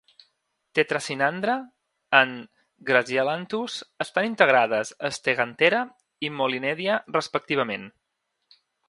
"Tetrasynandra" and "Grazielanthus" estan integrades a "Steganthera" i "Mollinedia", respectivament.